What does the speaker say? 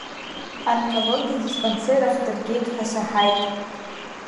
Анкологиа адиспансер ахь дыргеит ҳәа саҳаит.